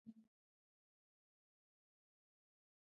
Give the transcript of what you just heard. فاریاب د افغانانو د تفریح یوه وسیله ده.